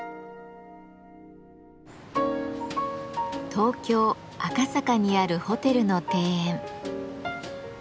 東京・赤坂にあるホテルの庭園。